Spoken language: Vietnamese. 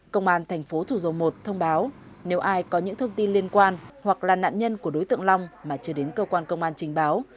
công an thành phố thủ dầu một thông báo nếu ai có những thông tin liên quan hoặc là nạn nhân của đối tượng long mà chưa đến cơ quan công an trình báo